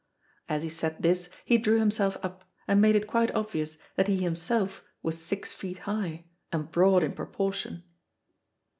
As he said this he drew himself up, and made it quite obvious that he himself was six feet high, and broad in proportion.